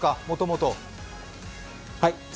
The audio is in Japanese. もともと。